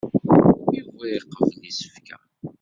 Yuba iqebbel isefka.